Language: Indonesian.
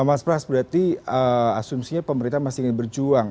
mas pras berarti asumsinya pemerintah masih ingin berjuang